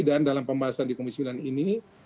dan dalam pembahasan di komisi sembilan ini